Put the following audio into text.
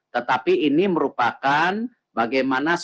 tetapi ini merupakan bagaimana